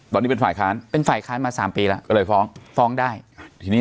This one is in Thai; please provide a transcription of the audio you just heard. ตอนนี้เป็นฝ่ายค้านเป็นฝ่ายค้านมาสามปีแล้ว